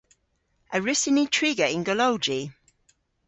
A wrussyn ni triga yn golowji?